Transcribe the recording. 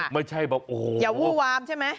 ไม่ใช่แบบโอ้โหอย่าวู้วามใช่ไหม